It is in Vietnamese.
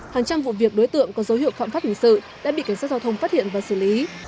hàng trăm vụ việc đối tượng có dấu hiệu phạm pháp hình sự đã bị cảnh sát giao thông phát hiện và xử lý